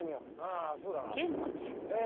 ああそうだなえ